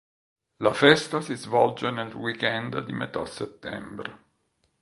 La festa si svolge nel weekend di metà settembre.